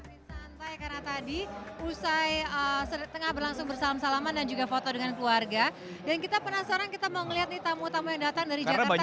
santai karena tadi usai setengah berlangsung bersalam salaman dan juga foto dengan keluarga dan kita penasaran kita mau ngeliat nih tamu tamu yang datang dari jakarta